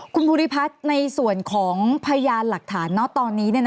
คุณภูริพัฒน์ในส่วนของพยานหลักฐานตอนนี้